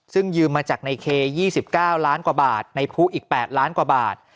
ซึ่งยืมมาจากในเคยี่สิบเก้าร้านกว่าบาทในภูอีกแปดล้านกว่าบาท